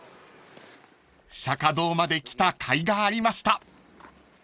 ［釈迦堂まで来たかいがありました］